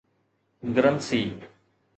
Guernsey